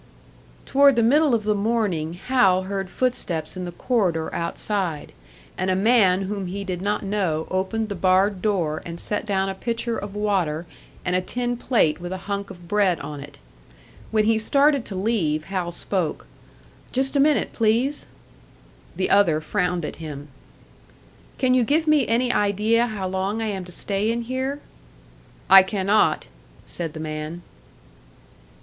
Toward the middle of the morning, Hal heard footsteps in the corridor outside, and a man whom he did not know opened the barred door and set down a pitcher of water and a tin plate with a hunk of bread on it. When he started to leave, Hal spoke: "Just a minute, please." The other frowned at him. "Can you give me any idea how long I am to stay in here?" "I cannot," said the man.